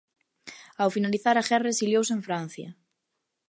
Ao finalizar a guerra exiliouse en Francia.